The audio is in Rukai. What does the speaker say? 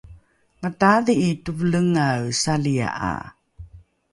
mataadhi’i tevelengae salia’a